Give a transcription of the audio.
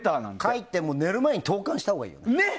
書いて、寝る前に投函したほうがいいよ。